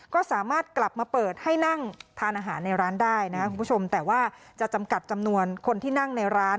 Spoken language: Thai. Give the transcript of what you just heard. ก็สามารถกลับมาเปิดให้นั่งทานอาหารในร้านได้นะครับคุณผู้ชมแต่ว่าจะจำกัดจำนวนคนที่นั่งในร้าน